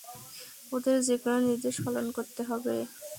ওদের যেকোনো নির্দেশ পালন করতে হবে।